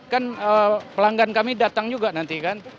kan pelanggan kami datang juga nanti kan